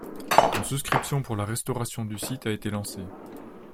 Une souscription pour la restauration du site a été lancée.